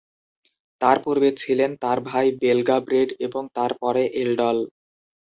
তার পূর্বে ছিলেন তার ভাই বেল্গাব্রেড এবং তার পরে এল্ডল।